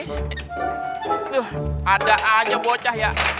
aduh ada aja bocah ya